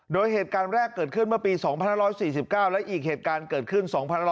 โดยเหตุการณ์แรกเกิดขึ้นเมื่อปี๒๕๔๙และอีกเหตุการณ์เกิดขึ้น